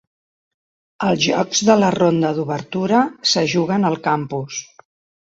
Els jocs de la ronda d'obertura se juguen al campus.